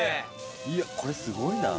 いやこれすごいな。